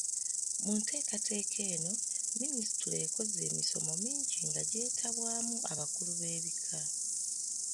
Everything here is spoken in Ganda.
Mu nteekateeka eno, minisitule ekoze emisomo mingi nga gyetabwaamu abakulu b'ebika.